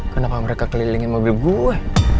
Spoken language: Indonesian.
kenapa mereka kelilingi mobil buah